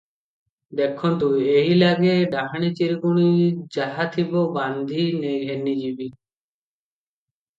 ଦେଖନ୍ତୁ, ଏହିଲାଗେ ଡାହାଣୀ ଚିରିଗୁଣୀ ଯାହାଥିବ ବାନ୍ଧି ଘେନିଯିବି ।"